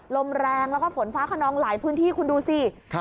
ลมแรงแล้วก็ฝนฟ้าขนองหลายพื้นที่คุณดูสิ